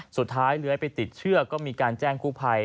สุดท้ายเลื้อยไปติดเชือกก็มีการแจ้งกู้ภัย